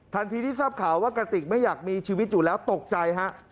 ที่ทราบข่าวว่ากระติกไม่อยากมีชีวิตอยู่แล้วตกใจฮะ